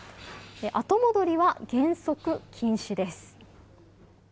後戻りは原則禁止です。